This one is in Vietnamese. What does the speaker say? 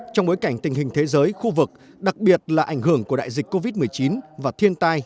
trong bối cảnh tình hình thế giới khu vực đặc biệt là ảnh hưởng của đại dịch covid một mươi chín và thiên tai